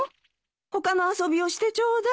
他の遊びをしてちょうだい。